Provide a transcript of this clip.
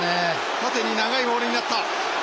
縦に長いモールになった。